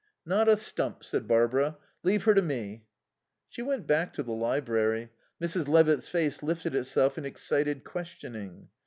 "Not a stump," said Barbara. "Leave her to me." She went back to the library. Mrs. Levitt's face lifted itself in excited questioning.